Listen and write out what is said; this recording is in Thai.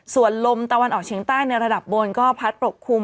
ส่วนลมตะวันออกเฉียงใต้ในระดับบนก็พัดปกคลุม